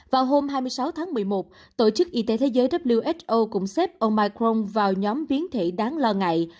vào hôm hai mươi sáu tháng một mươi một tổ chức y tế thế giới cũng xếp omicron vào nhóm biến thể đáng lo ngại